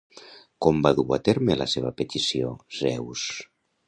Com va dur a terme la seva petició, Zeus?